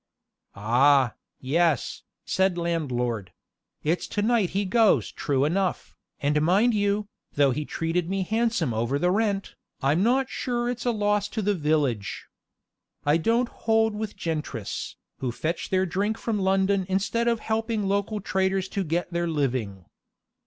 "Ah, yes," said landlord; "it's to night he goes true enough, and mind you, though he treated me handsome over the rent, I'm not sure it's a loss to the village. I don't hold with gentrice, who fetch their drink from London instead of helping local traders to get their living."